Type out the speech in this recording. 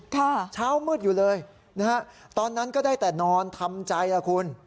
เช้ามืดอยู่เลยนะฮะตอนนั้นก็ได้แต่นอนทำใจอ่ะคุณ